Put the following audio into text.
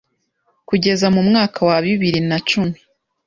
kugeza mu mwaka wa bibiri na cumi